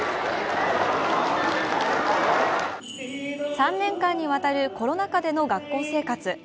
３年間にわたるコロナ禍での学校生活。